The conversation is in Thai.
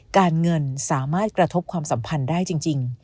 การเงินสามารถกระทบความสัมพันธ์ได้จริง